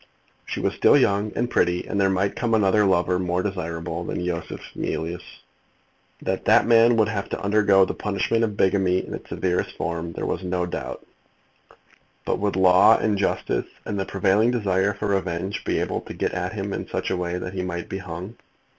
She was still young and pretty, and there might come another lover more desirable than Yosef Mealyus. That the man would have to undergo the punishment of bigamy in its severest form, there was no doubt; but would law, and justice, and the prevailing desire for revenge, be able to get at him in such a way that he might be hung?